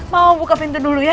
mau buka pintu dulu ya